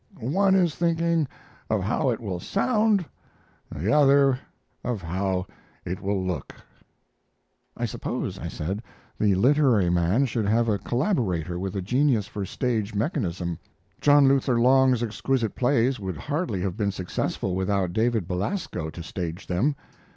One is thinking of how it will sound, the other of how it will look." "I suppose," I said, "the literary man should have a collaborator with a genius for stage mechanism. John Luther Long's exquisite plays would hardly have been successful without David Belasco to stage them.